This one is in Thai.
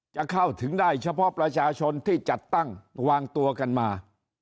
จะเข้าถึงได้เฉพาะประชาชนที่จัดตั้งวางตัวกันมา